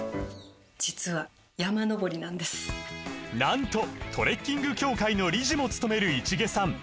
実はなんとトレッキング協会の理事もつとめる市毛さん